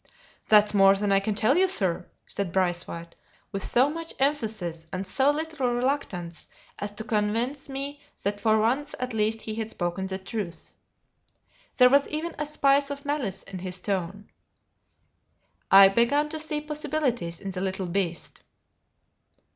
"That's more than I can tell you, sir," said Braithwaite, with so much emphasis and so little reluctance as to convince me that for once at least he had spoken the truth. There was even a spice of malice in his tone. I began to see possibilities in the little beast.